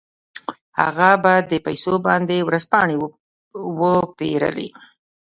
هغه په دې پيسو باندې ورځپاڼې وپېرلې.